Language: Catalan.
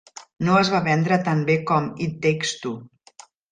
No es va vendre tan bé com "It Takes Two".